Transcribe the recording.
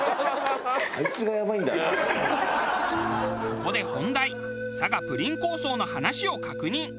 ここで本題佐賀プリン抗争の話を確認。